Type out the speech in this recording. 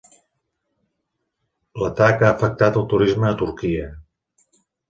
L'atac ha afectat el turisme a Turquia.